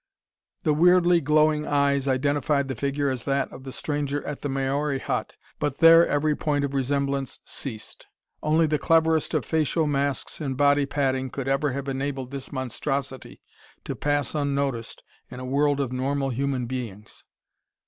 The weirdly glowing eyes identified the figure as that of the stranger at the Maori Hut, but there every point of resemblance ceased. Only the cleverest of facial masques and body padding could ever have enabled this monstrosity to pass unnoticed in a world of normal human beings.